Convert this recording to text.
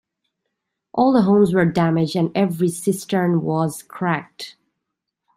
All the homes were damaged and every cistern was cracked.